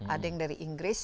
ada yang dari inggris